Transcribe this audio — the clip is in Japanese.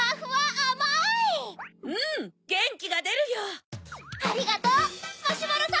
ありがとうマシュマロさん！